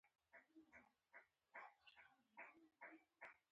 د نړۍ ګڼ هېوادونه دغه ډول اصلاحات عملي کوي.